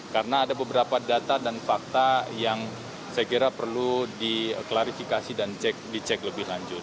karena ada beberapa data dan fakta yang saya kira perlu diklarifikasi dan dicek lebih lanjut